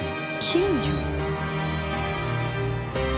金魚？